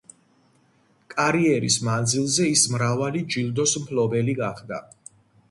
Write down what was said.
კარიერის მანძილზე ის მრავალი ჯილდოს მფლობელი გახდა.